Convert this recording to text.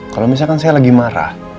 kalau misalkan saya lagi marah